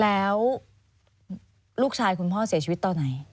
แล้วลูกชายคุณพ่อเสียชีวิตตอนไหน